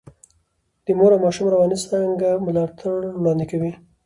د مور او ماشوم رواني څانګه ملاتړ وړاندې کوي.